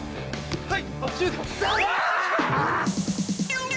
はい！